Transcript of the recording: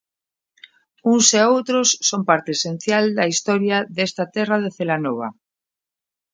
Uns e outros son parte esencial da historia desta Terra de Celanova.